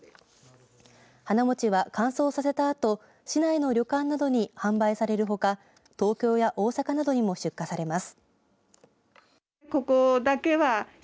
花もちは、乾燥させたあと市内の旅館などに販売されるほか東京や大阪などにも出荷されます。